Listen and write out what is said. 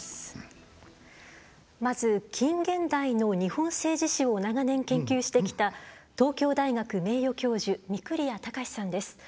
まず、近現代の日本政治史を長年研究してきた東京大学名誉教授御厨貴さんです。